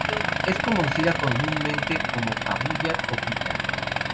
Es conocida comúnmente como cabuya o pita.